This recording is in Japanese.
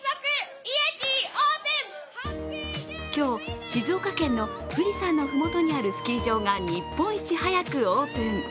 今日、静岡県の富士山のふもとにあるスキー場が日本一速くオープン。